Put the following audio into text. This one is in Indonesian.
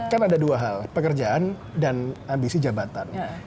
kan ada dua hal pekerjaan dan ambisi jabatan